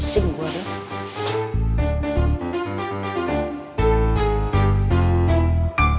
pusing gue deh